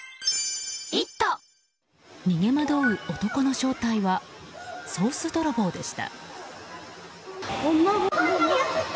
逃げ惑う男の正体はソース泥棒でした。